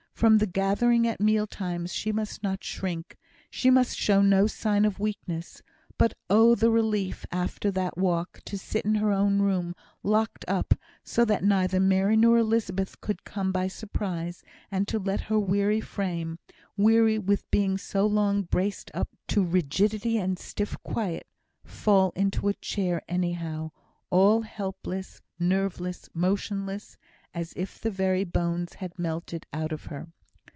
From the gathering at meal times she must not shrink. She must show no sign of weakness. But, oh! the relief, after that walk, to sit in her own room, locked up, so that neither Mary nor Elizabeth could come by surprise, and to let her weary frame (weary with being so long braced up to rigidity and stiff quiet) fall into a chair anyhow all helpless, nerveless, motionless, as if the very bones had melted out of her!